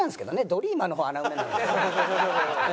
ドリーマーの方穴埋めなんですけど。